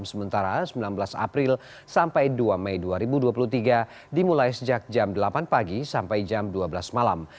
sementara sembilan belas april sampai dua mei dua ribu dua puluh tiga dimulai sejak jam delapan pagi sampai jam dua belas malam